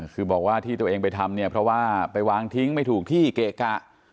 คือบอกว่าที่ตัวเองไปทำเนี่ยเพราะว่าไปวางทิ้งไม่ถูกที่เกะกะ